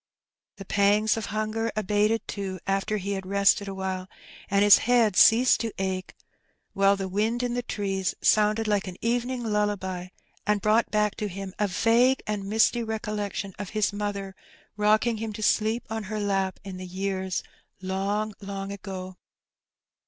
The pangs of hunger abated, too, after he had rested awhile, and his head ceased to ache, while the wind in the trees sounded like an evening lullaby, and brought back to him a vague and misty recollection of his mother rocking him to sleep on her lap, in the years long, long ago.